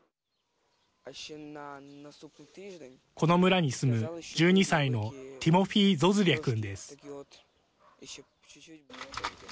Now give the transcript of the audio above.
この村に住む１２歳のティモフィ・ゾズリャ君です。